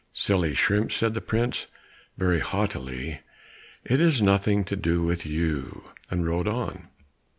"Silly shrimp," said the prince, very haughtily, "it is nothing to do with you," and rode on.